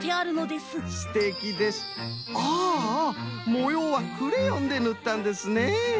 もようはクレヨンでぬったんですね。